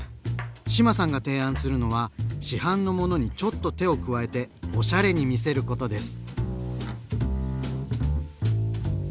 志麻さんが提案するのは市販のものにちょっと手を加えておしゃれに見せることです。